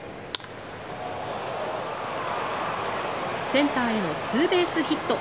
センターへのツーベースヒット。